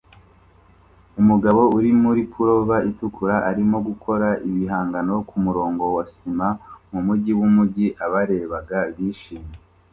Umugabo uri muri pullover itukura arimo gukora ibihangano kumurongo wa sima mumujyi wumujyi abarebaga bishimye